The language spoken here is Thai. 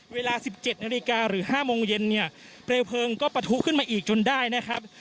เวลา๑๗นาฬิกาหรือ๕โมงเย็นเนี่ยเปลวเพลิงก็ปะทุขึ้นมาอีกจนได้นะครับ